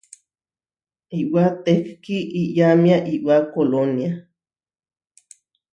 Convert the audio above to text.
Iʼwá tehkí iyámia iʼwá Kolónia.